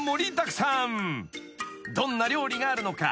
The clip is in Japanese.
［どんな料理があるのか］